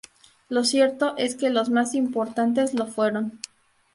Lo cierto es que los más importantes lo fueron.